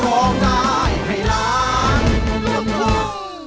ร้องได้ให้ล้าง